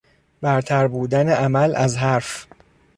برتر بودن عمل از حرف